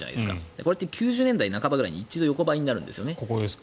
これ９０年代くらいに一度、横ばいになるんですよね。